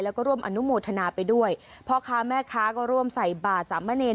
แล้วก็ร่วมอนุโมทนาไปด้วยพ่อค้าแม่ค้าก็ร่วมใส่บาทสามเณร